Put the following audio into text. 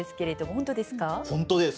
本当です！